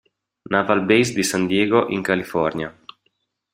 Naval Base di San Diego, in California.